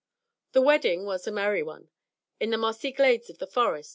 The wedding was a merry one, in the mossy glades of the forest.